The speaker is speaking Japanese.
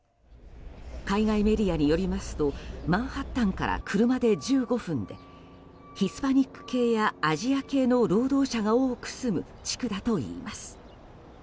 海外メディアによりますとマンハッタンから車で１５分でヒスパニック系やアジア系の労働者が多く住む地区だといいます。